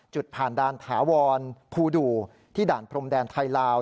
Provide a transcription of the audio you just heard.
จุดผ่านด่านถาวรภูดูที่ด่านพรมแดนไทยลาว